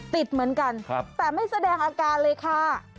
ติดเหมือนกันแต่ไม่แสดงอาการเลยค่ะ